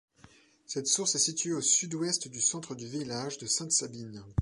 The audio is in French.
Cette source est située à au Sud-Ouest du centre du village de Sainte-Sabine.